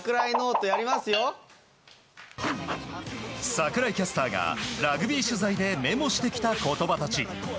櫻井キャスターがラグビー取材でメモしてきた言葉たち。